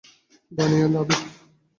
বানি আর আভি?